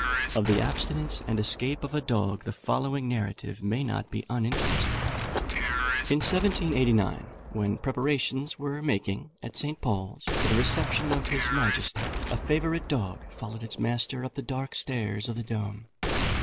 Of the abstinence and escape of a dog, the following narrative may not be uninteresting: In 1789, when preparations were making at St. Paul's for the reception of his majesty, a favourite dog followed its master up the dark stairs of the dome.